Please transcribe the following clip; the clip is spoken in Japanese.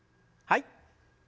はい。